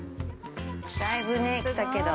◆だいぶね、来たけど。